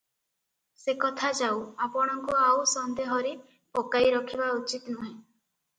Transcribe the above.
ସେକଥା ଯାଉ, ଆପଣଙ୍କୁ ଆଉ ସନ୍ଦେହରେ ପକାଇ ରଖିବା ଉଚିତନୁହେଁ ।